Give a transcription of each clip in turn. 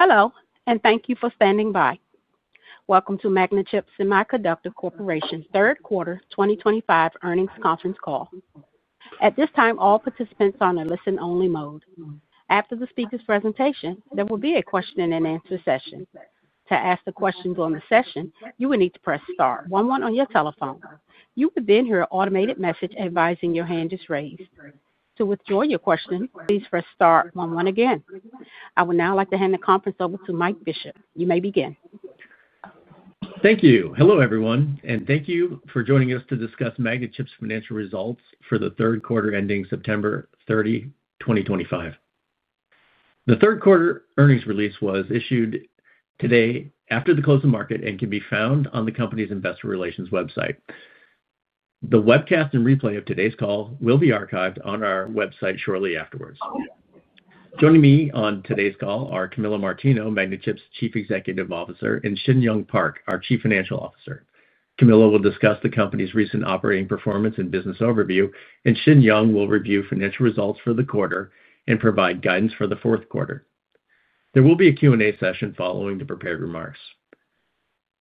Hello, and thank you for standing by. Welcome to Magnachip Semiconductor Corporation's third quarter 2025 earnings conference call. At this time, all participants are on a listen-only mode. After the speaker's presentation, there will be a question-and-answer session. To ask a question during the session, you will need to press Star, one-one on your telephone. You will then hear an automated message advising your hand is raised. To withdraw your question, please press star, one one again. I would now like to hand the conference over to Mike Bishop. You may begin. Thank you. Hello, everyone, and thank you for joining us to discuss Magnachip's financial results for the third quarter ending September 30, 2025. The third quarter earnings release was issued today after the close of the market and can be found on the company's investor relations website. The webcast and replay of today's call will be archived on our website shortly afterwards. Joining me on today's call are Camillo Martino, Magnachip's Chief Executive Officer, and Shin Young Park, our Chief Financial Officer. Camillo will discuss the company's recent operating performance and business overview, and Shin Young will review financial results for the quarter and provide guidance for the fourth quarter. There will be a Q&A session following the prepared remarks.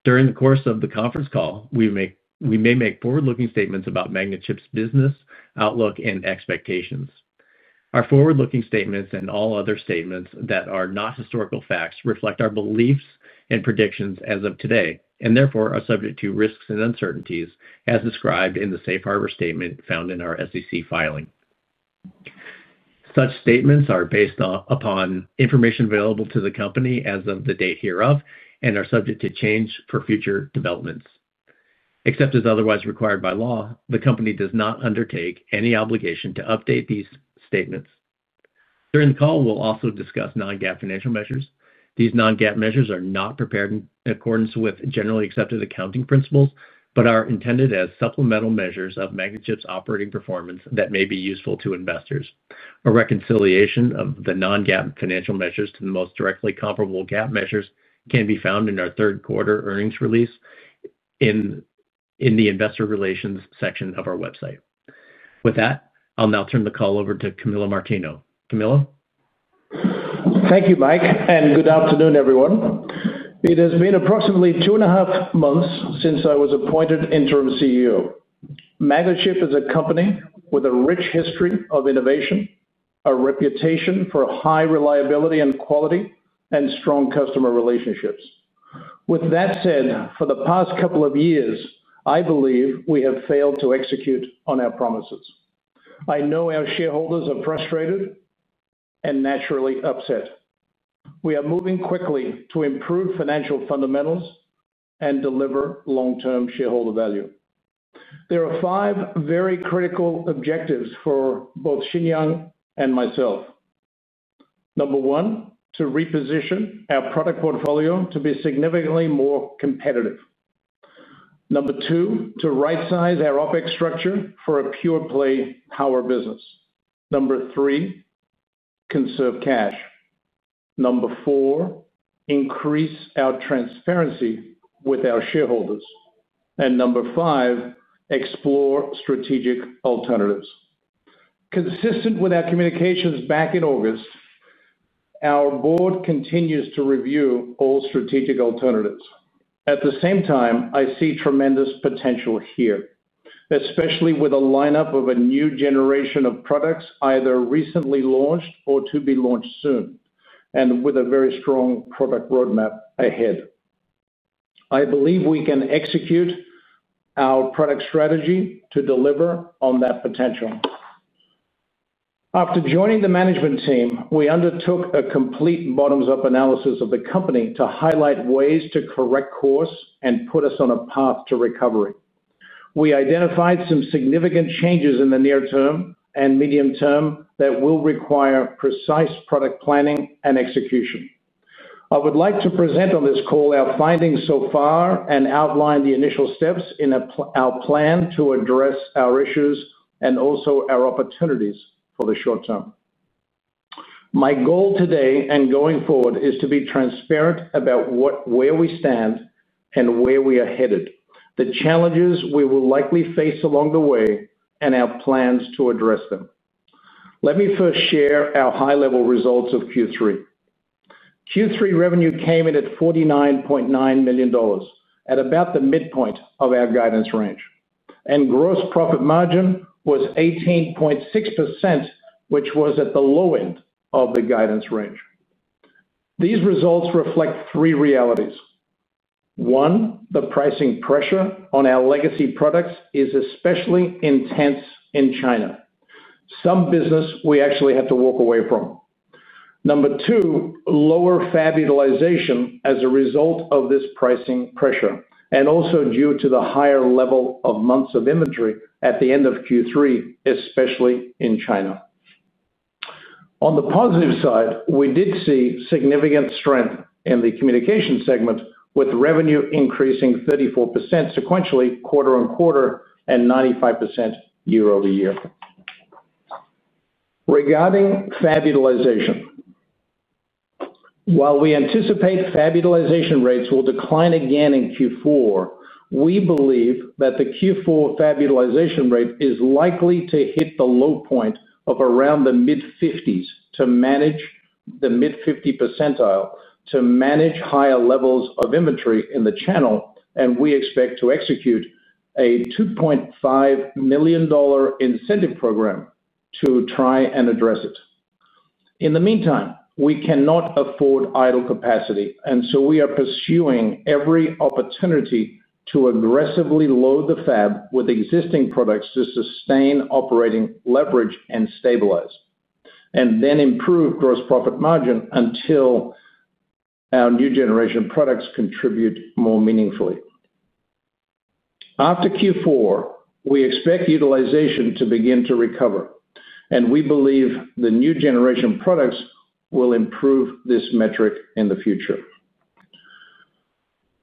During the course of the conference call, we may make forward-looking statements about Magnachip's business outlook and expectations. Our forward-looking statements and all other statements that are not historical facts reflect our beliefs and predictions as of today and therefore are subject to risks and uncertainties, as described in the Safe Harbor statement found in our SEC filing. Such statements are based upon information available to the company as of the date hereof and are subject to change for future developments. Except as otherwise required by law, the company does not undertake any obligation to update these statements. During the call, we'll also discuss non-GAAP financial measures. These non-GAAP measures are not prepared in accordance with generally accepted accounting principles but are intended as supplemental measures of Magnachip's operating performance that may be useful to investors. A reconciliation of the non-GAAP financial measures to the most directly comparable GAAP measures can be found in our third quarter earnings release. In the investor relations section of our website. With that, I'll now turn the call over to Camillo Martino. Camillo? Thank you, Mike, and good afternoon, everyone. It has been approximately two and a half months since I was appointed interim CEO. Magnachip is a company with a rich history of innovation, a reputation for high reliability and quality, and strong customer relationships. With that said, for the past couple of years, I believe we have failed to execute on our promises. I know our shareholders are frustrated and naturally upset. We are moving quickly to improve financial fundamentals and deliver long-term shareholder value. There are five very critical objectives for both Shin Young and myself. Number one, to reposition our product portfolio to be significantly more competitive. Number two, to right-size our OpEx structure for a pure-play power business. Number three, conserve cash. Number four, increase our transparency with our shareholders. Number five, explore strategic alternatives. Consistent with our communications back in August, our board continues to review all strategic alternatives. At the same time, I see tremendous potential here, especially with a lineup of a new generation of products either recently launched or to be launched soon, and with a very strong product roadmap ahead. I believe we can execute our product strategy to deliver on that potential. After joining the management team, we undertook a complete bottoms-up analysis of the company to highlight ways to correct course and put us on a path to recovery. We identified some significant changes in the near term and medium term that will require precise product planning and execution. I would like to present on this call our findings so far and outline the initial steps in our plan to address our issues and also our opportunities for the short term. My goal today and going forward is to be transparent about where we stand and where we are headed, the challenges we will likely face along the way, and our plans to address them. Let me first share our high-level results of Q3. Q3 revenue came in at $49.9 million, at about the midpoint of our guidance range, and gross profit margin was 18.6%, which was at the low end of the guidance range. These results reflect three realities. One, the pricing pressure on our legacy products is especially intense in China. Some business we actually had to walk away from. Number two, lower fab utilization as a result of this pricing pressure, and also due to the higher level of months of inventory at the end of Q3, especially in China. On the positive side, we did see significant strength in the communication segment, with revenue increasing 34% sequentially quarter-on-quarter and 95% year-over-year. Regarding fab utilization. While we anticipate fab utilization rates will decline again in Q4, we believe that the Q4 fab utilization rate is likely to hit the low point of around the mid-50s to manage the mid-50 percentile, to manage higher levels of inventory in the channel, and we expect to execute a $2.5 million incentive program to try and address it. In the meantime, we cannot afford idle capacity, and so we are pursuing every opportunity to aggressively load the fab with existing products to sustain operating leverage and stabilize, and then improve gross profit margin until our new generation products contribute more meaningfully. After Q4, we expect utilization to begin to recover, and we believe the new generation products will improve this metric in the future.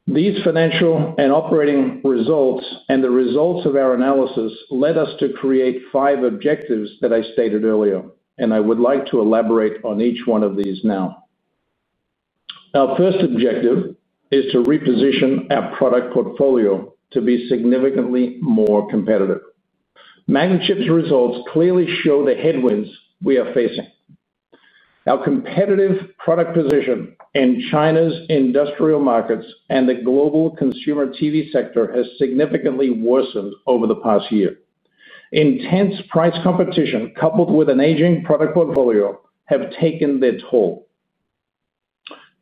These financial and operating results and the results of our analysis led us to create five objectives that I stated earlier, and I would like to elaborate on each one of these now. Our first objective is to reposition our product portfolio to be significantly more competitive. Magnachip's results clearly show the headwinds we are facing. Our competitive product position in China's industrial markets and the global consumer TV sector has significantly worsened over the past year. Intense price competition coupled with an aging product portfolio have taken their toll.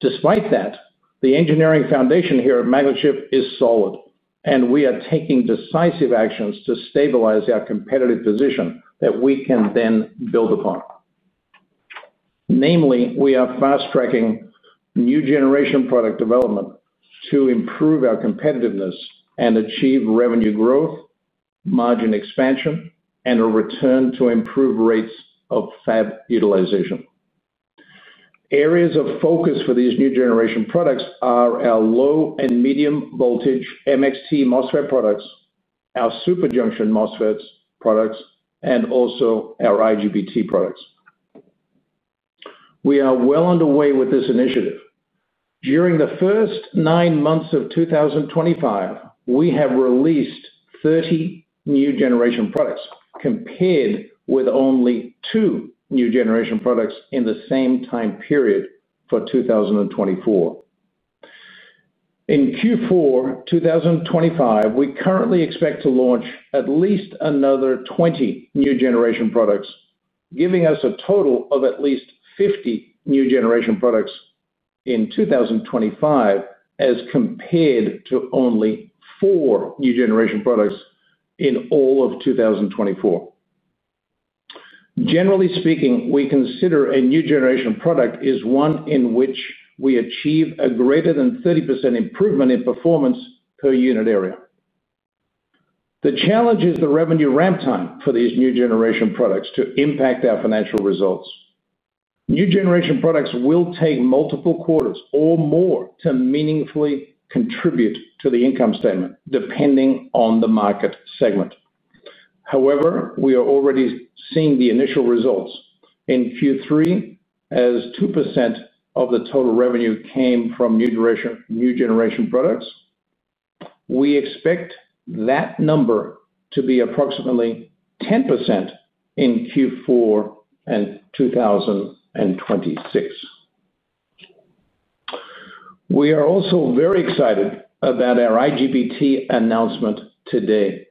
Despite that, the engineering foundation here at Magnachip is solid, and we are taking decisive actions to stabilize our competitive position that we can then build upon. Namely, we are fast-tracking new generation product development to improve our competitiveness and achieve revenue growth, margin expansion, and a return to improved rates of fab utilization. Areas of focus for these new generation products are our low and medium voltage MXT MOSFET products, our Super Junction MOSFET products, and also our IGBT products. We are well on the way with this initiative. During the first nine months of 2025, we have released 30 new generation products compared with only two new generation products in the same time period for 2024. In Q4 2025, we currently expect to launch at least another 20 new generation products, giving us a total of at least 50 new generation products in 2025 as compared to only four new generation products in all of 2024. Generally speaking, we consider a new generation product as one in which we achieve a greater than 30% improvement in performance per unit area. The challenge is the revenue ramp time for these new generation products to impact our financial results. New generation products will take multiple quarters or more to meaningfully contribute to the income statement, depending on the market segment. However, we are already seeing the initial results in Q3 as 2% of the total revenue came from new generation products. We expect that number to be approximately 10% in Q4 2026. We are also very excited about our IGBT announcement today.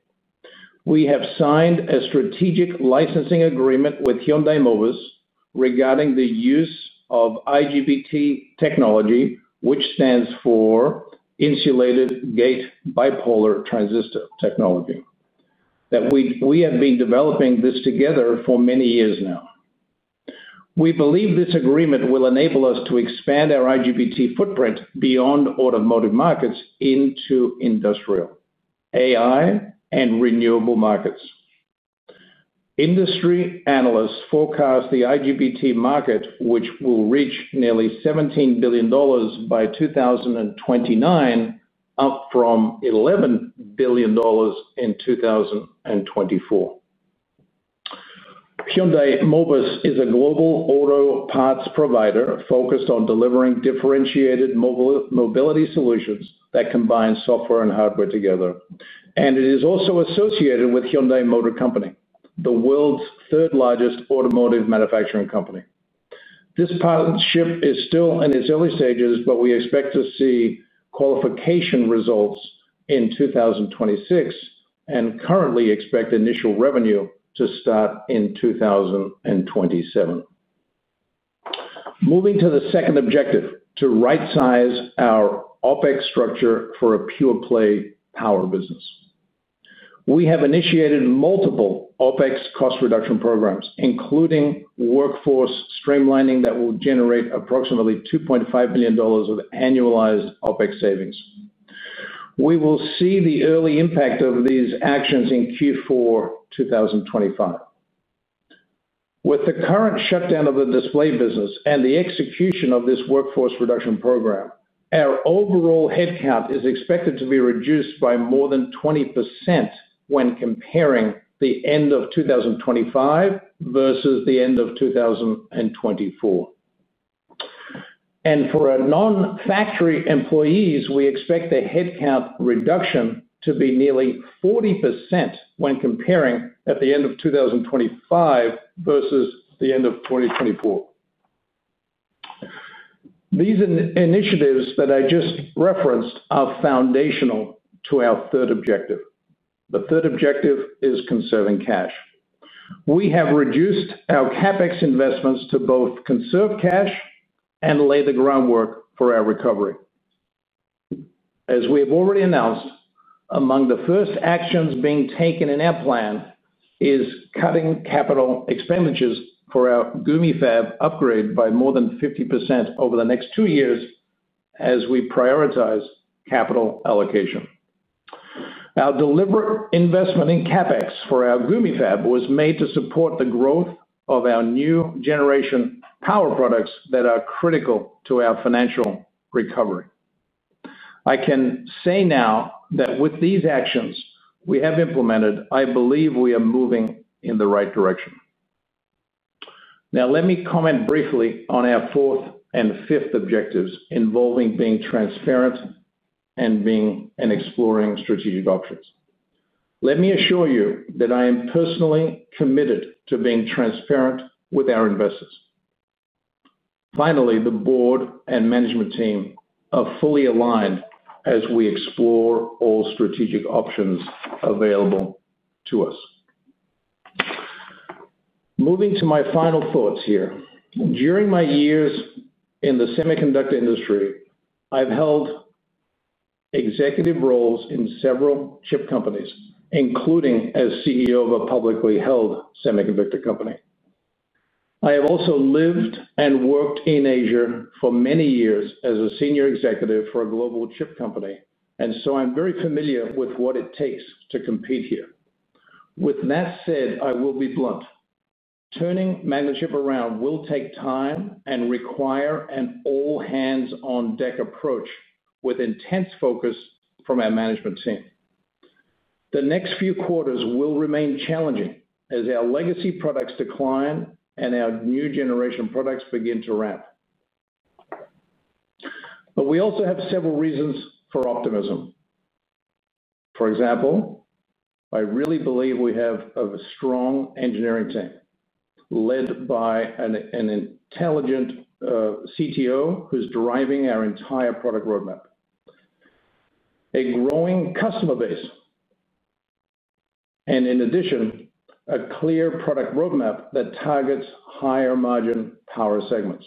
We have signed a strategic licensing agreement with Hyundai Mobis regarding the use of IGBT technology, which stands for. Insulated Gate Bipolar Transistor technology. We have been developing this together for many years now. We believe this agreement will enable us to expand our IGBT footprint beyond automotive markets into industrial, AI, and renewable markets. Industry analysts forecast the IGBT market, which will reach nearly $17 billion by 2029, up from $11 billion in 2024. Hyundai Mobis is a global auto parts provider focused on delivering differentiated mobility solutions that combine software and hardware together. It is also associated with Hyundai Motor Company, the world's third-largest automotive manufacturing company. This partnership is still in its early stages. We expect to see qualification results in 2026 and currently expect initial revenue to start in 2027. Moving to the second objective, to right-size our OpEx structure for a pure-play power business. We have initiated multiple OpEx cost reduction programs, including workforce streamlining that will generate approximately $2.5 million of annualized OpEx savings. We will see the early impact of these actions in Q4 2025. With the current shutdown of the display business and the execution of this workforce reduction program, our overall headcount is expected to be reduced by more than 20% when comparing the end of 2025 versus the end of 2024. For our non-factory employees, we expect the headcount reduction to be nearly 40% when comparing at the end of 2025 versus the end of 2024. These initiatives that I just referenced are foundational to our third objective. The third objective is conserving cash. We have reduced our CapEx investments to both conserve cash and lay the groundwork for our recovery. As we have already announced, among the first actions being taken in our plan is cutting capital expenditures for our Gumi fab upgrade by more than 50% over the next two years as we prioritize capital allocation. Our deliberate investment in CapEx for our Gumi fab was made to support the growth of our new generation power products that are critical to our financial recovery. I can say now that with these actions we have implemented, I believe we are moving in the right direction. Now, let me comment briefly on our fourth and fifth objectives involving being transparent and exploring strategic options. Let me assure you that I am personally committed to being transparent with our investors. Finally, the board and management team are fully aligned as we explore all strategic options available to us. Moving to my final thoughts here. During my years in the semiconductor industry, I've held executive roles in several chip companies, including as CEO of a publicly held semiconductor company. I have also lived and worked in Asia for many years as a senior executive for a global chip company, and so I'm very familiar with what it takes to compete here. With that said, I will be blunt. Turning Magnachip around will take time and require an all-hands-on-deck approach with intense focus from our management team. The next few quarters will remain challenging as our legacy products decline and our new generation products begin to ramp. But we also have several reasons for optimism. For example, I really believe we have a strong engineering team, led by an intelligent CTO who's driving our entire product roadmap, a growing customer base, and in addition, a clear product roadmap that targets higher margin power segments.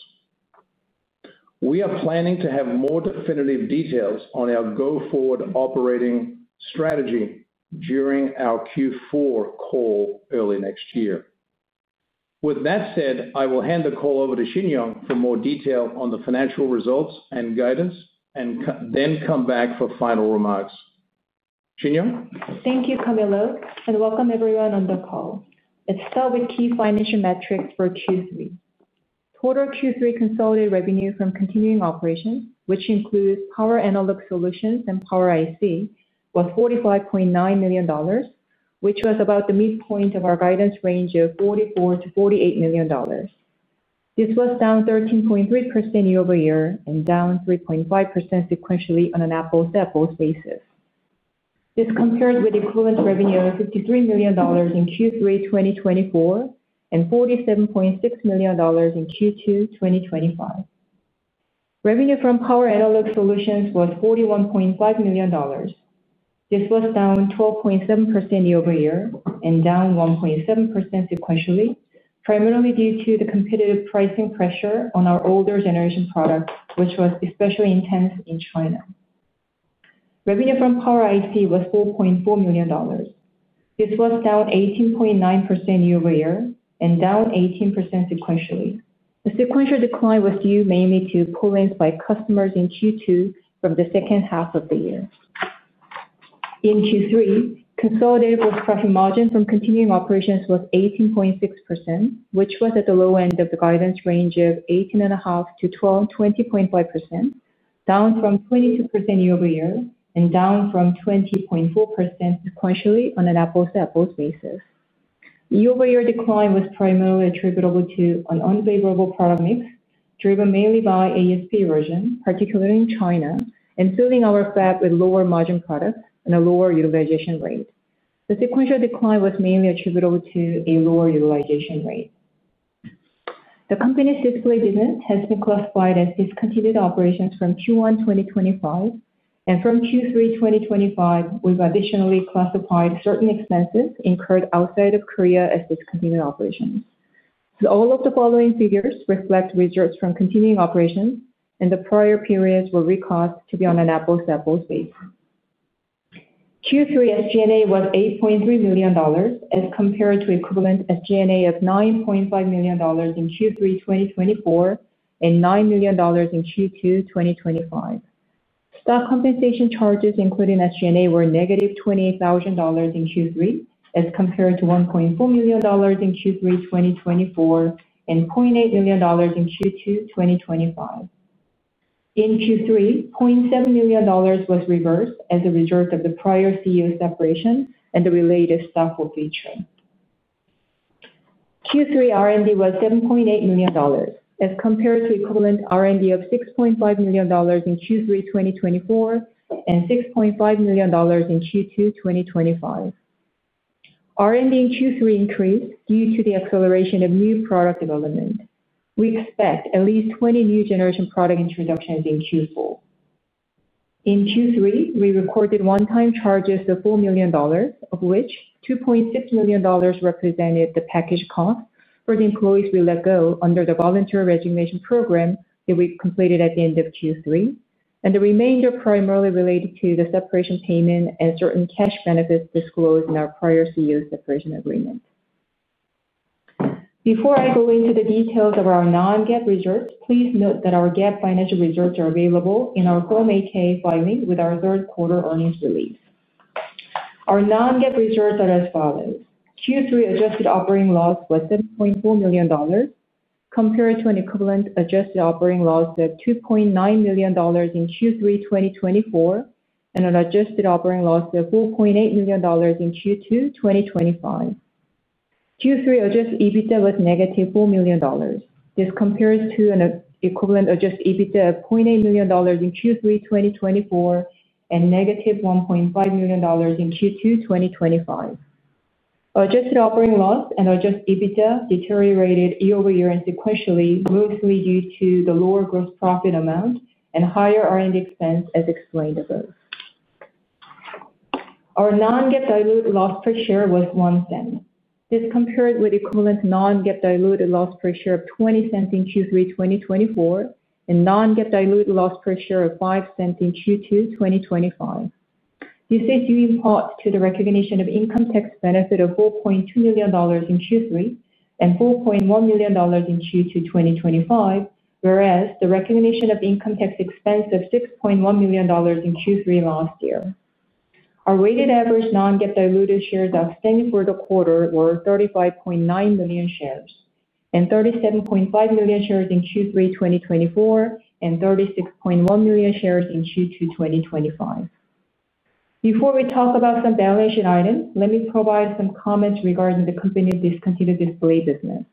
We are planning to have more definitive details on our go-forward operating strategy during our Q4 call early next year. With that said, I will hand the call over to Shin Young for more detail on the financial results and guidance, and then come back for final remarks. Shin Young? Thank you, Camillo, and welcome everyone on the call. Let's start with key financial metrics for Q3. Total Q3 consolidated revenue from continuing operations, which includes power analog solutions and power IC, was $45.9 million, which was about the midpoint of our guidance range of $44 million-$48 million. This was down 13.3% year-over-year and down 3.5% sequentially on an apples-to-apples basis. This compared with the equivalent revenue of $53 million in Q3 2024 and $47.6 million in Q2 2025. Revenue from power analog solutions was $41.5 million. This was down 12.7% year-over-year and down 1.7% sequentially, primarily due to the competitive pricing pressure on our older generation products, which was especially intense in China. Revenue from power IC was $4.4 million. This was down 18.9% year-over-year and down 18% sequentially. The sequential decline was due mainly to poolings by customers in Q2 from the second half of the year. In Q3, consolidated gross profit margin from continuing operations was 18.6%, which was at the low end of the guidance range of 18.5%-20.5%, down from 22% year-over-year and down from 20.4% sequentially on an apples-to-apples basis. Year-over-year decline was primarily attributable to an unfavorable product mix, driven mainly by ASP erosion, particularly in China, and filling our fab with lower margin products and a lower utilization rate. The sequential decline was mainly attributable to a lower utilization rate. The company's display business has been classified as discontinued operations from Q1 2025, and from Q3 2025, we've additionally classified certain expenses incurred outside of Korea as discontinued operations. All of the following figures reflect results from continuing operations, and the prior periods were recast to be on an apples-to-apples base. Q3 SG&A was $8.3 million as compared to equivalent SG&A of $9.5 million in Q3 2024 and $9 million in Q2 2025. Stock compensation charges, including SG&A, were -$28,000 in Q3 as compared to $1.4 million in Q3 2024 and $0.8 million in Q2 2025. In Q3, $0.7 million was reversed as a result of the prior CEO separation and the related stock flow feature. Q3 R&D was $7.8 million as compared to equivalent R&D of $6.5 million in Q3 2024 and $6.5 million in Q2 2025. R&D in Q3 increased due to the acceleration of new product development. We expect at least 20 new generation product introductions in Q4. In Q3, we recorded one-time charges of $4 million, of which $2.6 million represented the package cost for the employees we let go under the voluntary resignation program that we completed at the end of Q3, and the remainder primarily related to the separation payment and certain cash benefits disclosed in our prior CEO separation agreement. Before I go into the details of our non-GAAP results, please note that our GAAP financial results are available in our COMAC filing with our third quarter earnings release. Our non-GAAP results are as follows. Q3 adjusted operating loss was $7.4 million, compared to an equivalent adjusted operating loss of $2.9 million in Q3 2024 and an adjusted operating loss of $4.8 million in Q2 2025. Q3 Adjusted EBITDA was -$4 million. This compares to an equivalent Adjusted EBITDA of $0.8 million in Q3 2024 and -$1.5 million in Q2 2025. Adjusted operating loss and Adjusted EBITDA deteriorated year-over-year and sequentially, mostly due to the lower gross profit amount and higher R&D expense, as explained above. Our non-GAAP diluted loss per share was $0.01. This compared with equivalent non-GAAP diluted loss per share of $0.20 in Q3 2024 and non-GAAP diluted loss per share of $0.05 in Q2 2025. This is due in part to the recognition of income tax benefit of $4.2 million in Q3 and $4.1 million in Q2 2025, whereas the recognition of income tax expense of $6.1 million in Q3 last year. Our weighted average non-GAAP diluted shares outstanding for the quarter were 35.9 million shares and 37.5 million shares in Q3 2024 and 36.1 million shares in Q2 2025. Before we talk about some balance sheet items, let me provide some comments regarding the company's discontinued display business.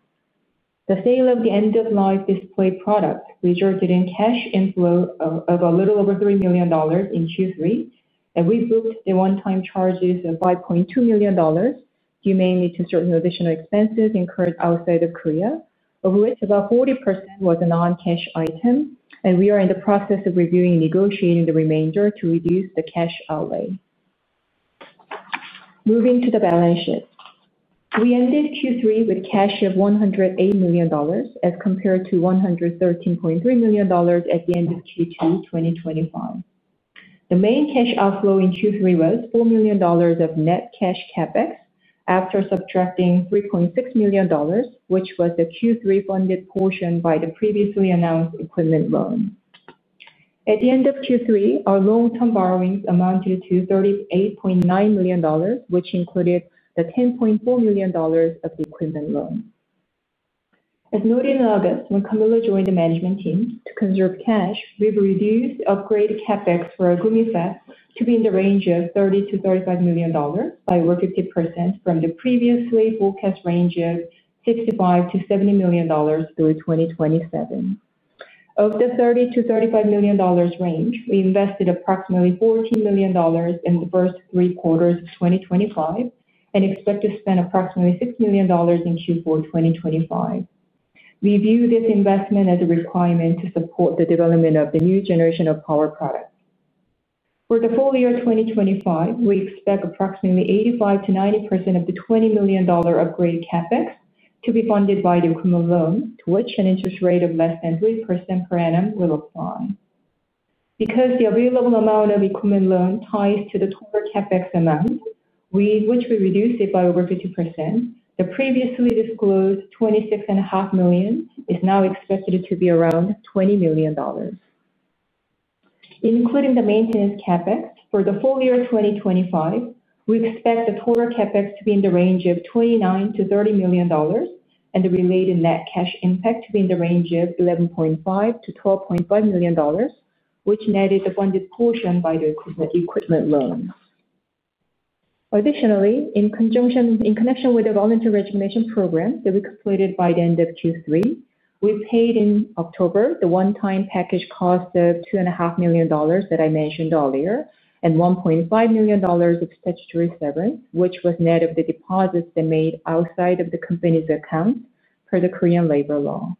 The sale of the end-of-life display products resulted in cash inflow of a little over $3 million in Q3, and we booked the one-time charges of $5.2 million due mainly to certain additional expenses incurred outside of Korea, of which about 40% was a non-cash item, and we are in the process of reviewing and negotiating the remainder to reduce the cash outlay. Moving to the balance sheet. We ended Q3 with cash of $108 million as compared to $113.3 million at the end of Q2 2025. The main cash outflow in Q3 was $4 million of net cash CapEx after subtracting $3.6 million, which was the Q3 funded portion by the previously announced equipment loan. At the end of Q3, our long-term borrowings amounted to $38.9 million, which included the $10.4 million of the equipment loan. As noted in August, when Camillo joined the management team to conserve cash, we've reduced upgrade CapEx for our Gumi fab to be in the range of $30 million-$35 million by over 50% from the previously forecast range of $65 million-$70 million through 2027. Of the $30 million-$35 million range, we invested approximately $14 million in the first three quarters of 2025 and expect to spend approximately $6 million in Q4 2025. We view this investment as a requirement to support the development of the new generation of power products. For the full year 2025, we expect approximately 85%-90% of the $20 million upgrade CapEx to be funded by the equipment loan, to which an interest rate of less than 3% per annum will apply. Because the available amount of equipment loan ties to the total CapEx amount, which we reduced by over 50%, the previously disclosed $26.5 million is now expected to be around $20 million. Including the maintenance CapEx, for the full year 2025, we expect the total CapEx to be in the range of $29 million-$30 million and the related net cash impact to be in the range of $11.5 million-$12.5 million, which net is a funded portion by the equipment loan. Additionally, in conjunction with the voluntary resignation program that we completed by the end of Q3, we paid in October the one-time package cost of $2.5 million that I mentioned earlier and $1.5 million of statutory severance, which was net of the deposits that made outside of the company's account per the Korean labor law.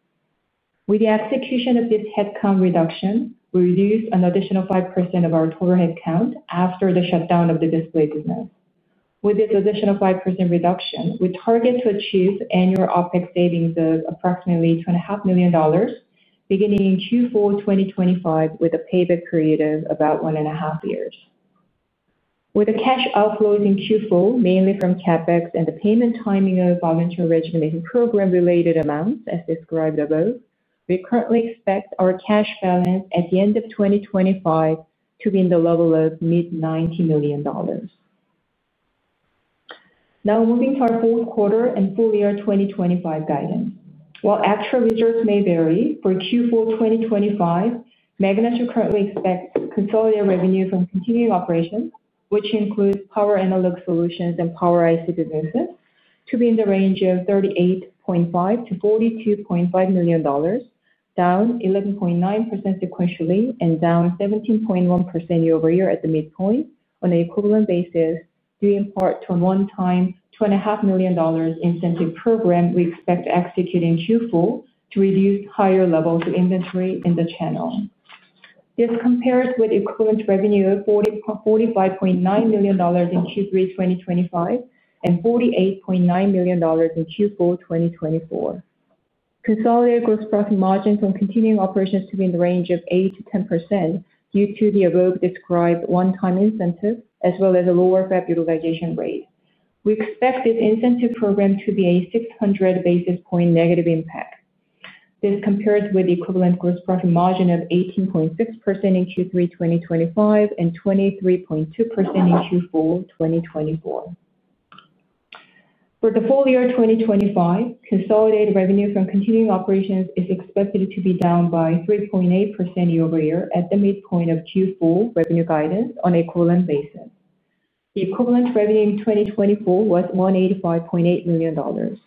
With the execution of this headcount reduction, we reduced an additional 5% of our total headcount after the shutdown of the display business. With this additional 5% reduction, we target to achieve annual OpEx savings of approximately $2.5 million, beginning in Q4 2025, with a payback period of about one and a half years. With the cash outflows in Q4, mainly from CapEx and the payment timing of voluntary resignation program-related amounts as described above, we currently expect our cash balance at the end of 2025 to be in the level of mid-$90 million. Now, moving to our fourth quarter and full year 2025 guidance. While actual results may vary, for Q4 2025, Magnachip currently expects consolidated revenue from continuing operations, which includes power analog solutions and power IC businesses, to be in the range of $38.5 million-$42.5 million, down 11.9% sequentially and down 17.1% year-over-year at the midpoint on an equivalent basis due in part to a one-time $2.5 million incentive program we expect to execute in Q4 to reduce higher levels of inventory in the channel. This compares with equivalent revenue of $45.9 million in Q3 2025 and $48.9 million in Q4 2024. Consolidated gross profit margins from continuing operations to be in the range of 8%-10% due to the above-described one-time incentive, as well as a lower fab utilization rate. We expect this incentive program to be a 600 basis point negative impact. This compares with the equivalent gross profit margin of 18.6% in Q3 2025 and 23.2% in Q4 2024. For the full year 2025, consolidated revenue from continuing operations is expected to be down by 3.8% year-over-year at the midpoint of Q4 revenue guidance on an equivalent basis. The equivalent revenue in 2024 was $185.8 million.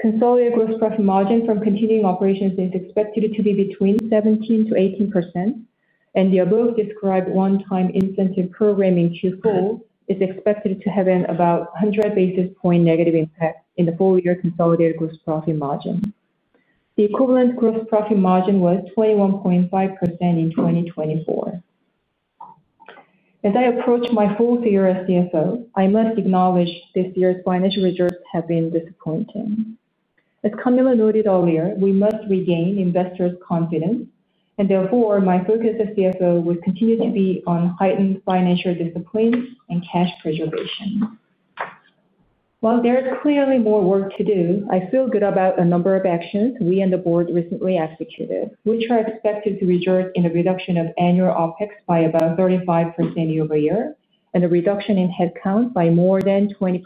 Consolidated gross profit margin from continuing operations is expected to be between 17%-18%, and the above-described one-time incentive program in Q4 is expected to have an about 100 basis point negative impact in the full year consolidated gross profit margin. The equivalent gross profit margin was 21.5% in 2024. As I approach my fourth year as CFO, I must acknowledge this year's financial results have been disappointing. As Camillo noted earlier, we must regain investors' confidence, and therefore, my focus as CFO will continue to be on heightened financial discipline and cash preservation. While there is clearly more work to do, I feel good about a number of actions we and the board recently executed, which are expected to result in a reduction of annual OpEx by about 35% year-over-year and a reduction in headcount by more than 20%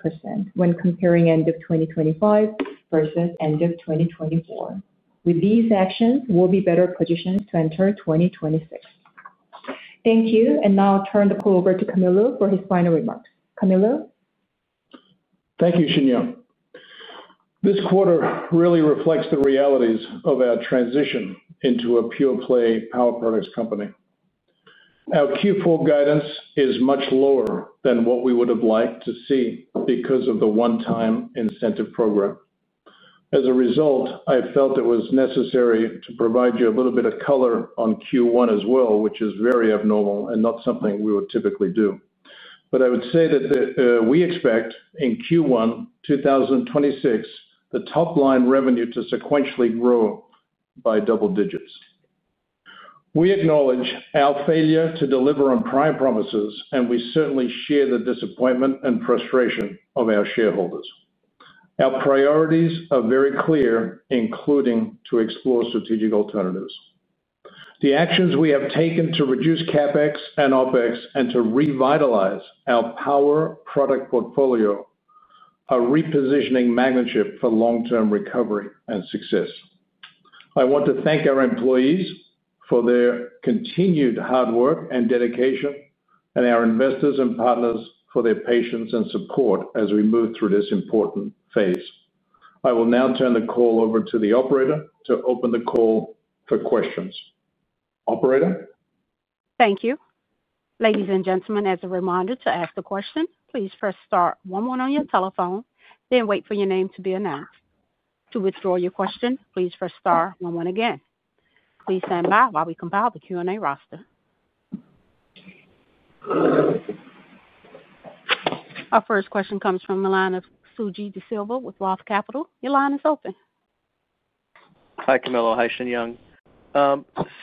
when comparing end of 2025 versus end of 2024. With these actions, we'll be better positioned to enter 2026. Thank you, and now I'll turn the call over to Camillo for his final remarks. Camillo? Thank you, Shin Young. This quarter really reflects the realities of our transition into a pure-play power products company. Our Q4 guidance is much lower than what we would have liked to see because of the one-time incentive program. As a result, I felt it was necessary to provide you a little bit of color on Q1 as well, which is very abnormal and not something we would typically do. I would say that we expect in Q1 2026, the top-line revenue to sequentially grow by double digits. We acknowledge our failure to deliver on prior promises, and we certainly share the disappointment and frustration of our shareholders. Our priorities are very clear, including to explore strategic alternatives. The actions we have taken to reduce CapEx and OpEx and to revitalize our power product portfolio are repositioning Magnachip for long-term recovery and success. I want to thank our employees for their continued hard work and dedication, and our investors and partners for their patience and support as we move through this important phase. I will now turn the call over to the operator to open the call for questions. Operator? Thank you. Ladies and gentlemen, as a reminder to ask a question, please press star one one on your telephone, then wait for your name to be announced. To withdraw your question, please press star one one again. Please stand by while we compile the Q&A roster. Our first question comes from Suji Desilva with Roth Capital. Your line is open. Hi, Camillo. Hi, Shin Young.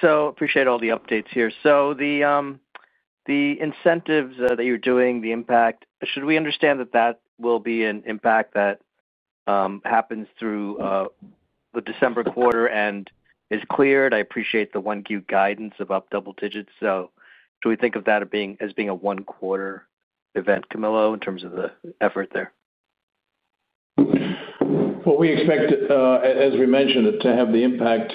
So appreciate all the updates here. The incentives that you're doing, the impact, should we understand that that will be an impact that happens through the December quarter and is cleared? I appreciate the 1Q guidance of up double digits. Should we think of that as being a one-quarter event, Camillo, in terms of the effort there? We expect, as we mentioned, to have the impact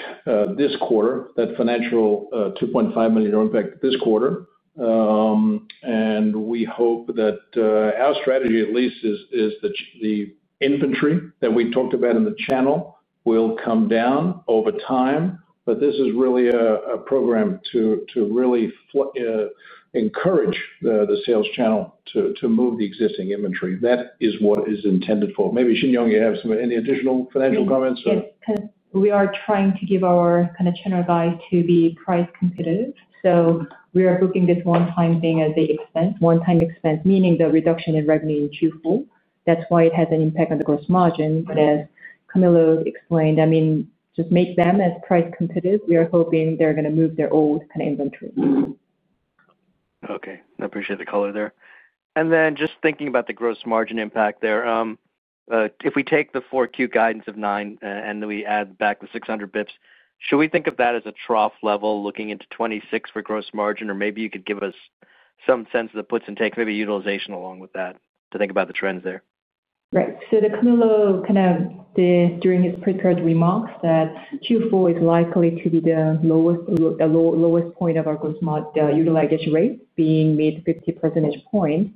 this quarter, that financial $2.5 million impact this quarter. We hope that our strategy, at least, is that the inventory that we talked about in the channel will come down over time. This is really a program to really encourage the sales channel to move the existing inventory. That is what it is intended for. Maybe, Shin Young, you have any additional financial comments? Yes. We are trying to give our kind of channel guide to be price competitive. We are booking this one-time thing as the expense, one-time expense, meaning the reduction in revenue in Q4. That is why it has an impact on the gross margin. As Camillo explained, I mean, just make them as price competitive. We are hoping they are going to move their old kind of inventory. Okay. I appreciate the color there. Just thinking about the gross margin impact there. If we take the 4Q guidance of nine and then we add back the 600 basis points, should we think of that as a trough level looking into 2026 for gross margin, or maybe you could give us some sense of the puts and takes, maybe utilization along with that, to think about the trends there? Right. Camillo kind of did during his prepared remarks that Q4 is likely to be the lowest. The lowest point of our utilization rate being mid-50 percentage point.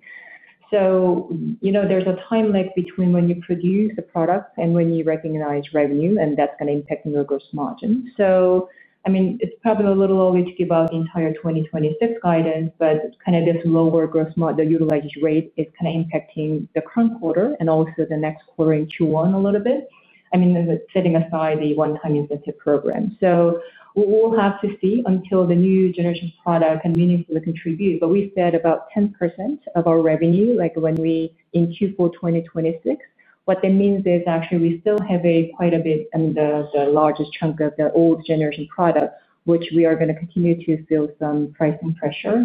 There is a time lag between when you produce the products and when you recognize revenue, and that is going to impact your gross margin. I mean, it is probably a little early to give out the entire 2026 guidance, but kind of this lower gross margin, the utilization rate is kind of impacting the current quarter and also the next quarter in Q1 a little bit. I mean, setting aside the one-time incentive program. We will have to see until the new generation product can meaningfully contribute. We said about 10% of our revenue, like when we in Q4 2026. What that means is actually we still have quite a bit under the largest chunk of the old generation product, which we are going to continue to feel some pricing pressure.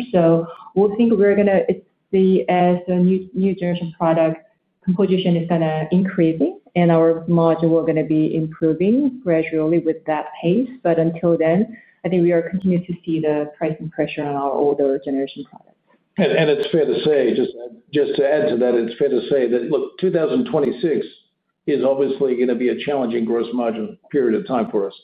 We think we are going to see as the new generation product composition is kind of increasing and our margin will be improving gradually with that pace. Until then, I think we are continuing to see the pricing pressure on our older generation products. It's fair to say, just to add to that, it's fair to say that, look, 2026 is obviously going to be a challenging gross margin period of time for us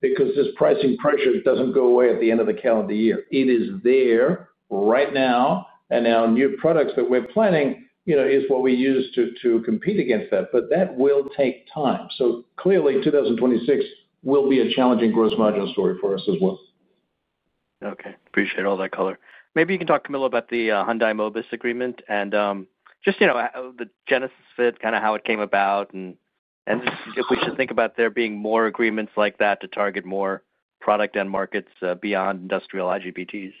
because this pricing pressure doesn't go away at the end of the calendar year. It is there right now, and our new products that we're planning is what we use to compete against that. That will take time. Clearly, 2026 will be a challenging gross margin story for us as well. Okay. Appreciate all that color. Maybe you can talk, Camillo, about the Hyundai Mobis agreement and just the [SJ MOSFET], kind of how it came about, and if we should think about there being more agreements like that to target more product and markets beyond industrial IGBTs.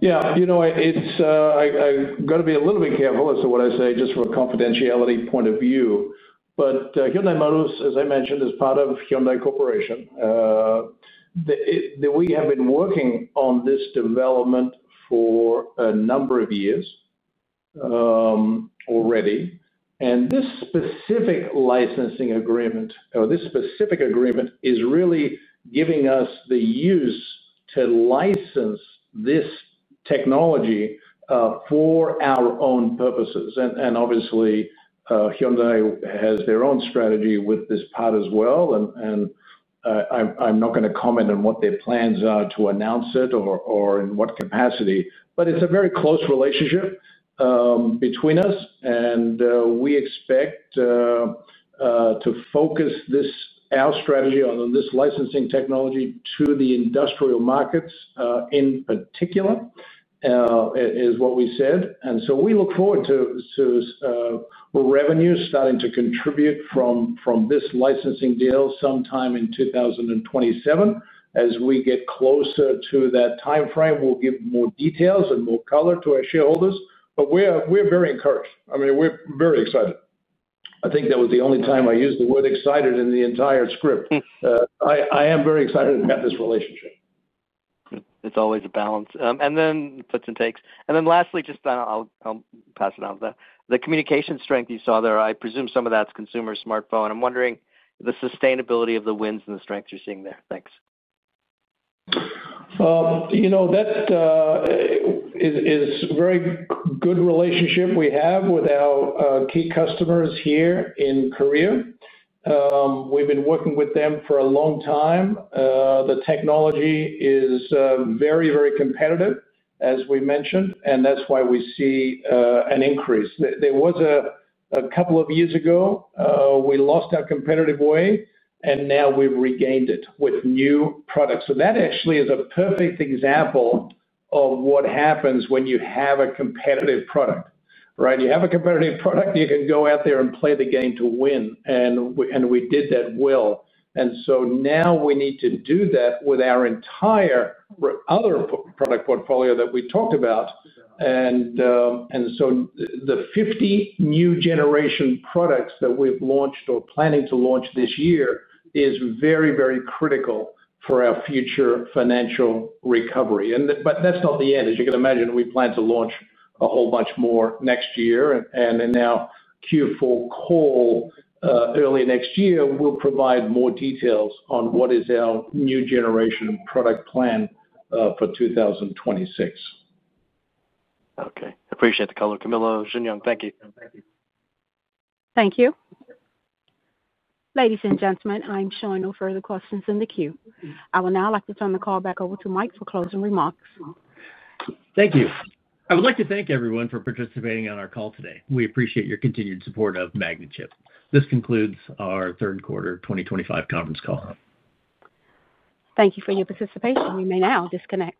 Yeah. I'm going to be a little bit careful as to what I say just from a confidentiality point of view. Hyundai Mobis, as I mentioned, is part of Hyundai Corporation. We have been working on this development for a number of years already. This specific licensing agreement, or this specific agreement, is really giving us the use to license this technology for our own purposes. Obviously, Hyundai has their own strategy with this part as well. I'm not going to comment on what their plans are to announce it or in what capacity, but it's a very close relationship between us, and we expect to focus our strategy on this licensing technology to the industrial markets in particular, is what we said. We look forward to revenues starting to contribute from this licensing deal sometime in 2027. As we get closer to that timeframe, we'll give more details and more color to our shareholders. We're very encouraged. I mean, we're very excited. I think that was the only time I used the word excited in the entire script. I am very excited about this relationship. It's always a balance, and then puts and takes. Lastly, just I'll pass it on to that. The communication strength you saw there, I presume some of that's consumer smartphone. I'm wondering the sustainability of the wins and the strengths you're seeing there. Thanks. That is a very good relationship we have with our key customers here in Korea. We've been working with them for a long time. The technology is very, very competitive, as we mentioned, and that's why we see an increase. There was a couple of years ago, we lost our competitive way, and now we've regained it with new products. That actually is a perfect example of what happens when you have a competitive product, right? You have a competitive product, you can go out there and play the game to win, and we did that well. Now we need to do that with our entire other product portfolio that we talked about. The 50 new generation products that we've launched or are planning to launch this year is very, very critical for our future financial recovery. That's not the end. As you can imagine, we plan to launch a whole bunch more next year. In our Q4 call early next year, we'll provide more details on what is our new generation product plan for 2026. Okay. Appreciate the color, Camillo. Shin Young, thank you. Thank you. Ladies and gentlemen, I'm showing no further questions in the queue. I would now like to turn the call back over to Mike for closing remarks. Thank you. I would like to thank everyone for participating in our call today. We appreciate your continued support of Magnachip. This concludes our third quarter 2025 conference call. Thank you for your participation. You may now disconnect.